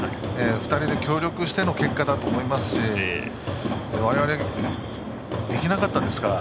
２人で協力しての結果だと思いますし我々、できなかったですから。